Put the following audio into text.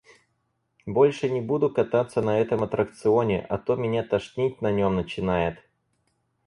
Больше не буду кататься на этом аттракционе, а то меня тошнить на нём начинает.